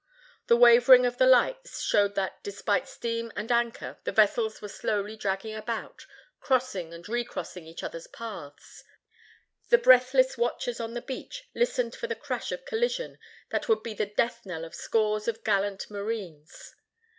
The wavering of the lights showed that, despite steam and anchor, the vessels were slowly dragging about, crossing and re crossing each others' paths. The breathless watchers on the beach listened for the crash of collision that would be the death knell of scores of gallant marines.